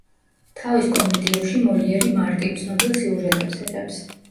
თავის კომედიებში მოლიერი მარტივ, ცნობილ სიუჟეტებს იღებს.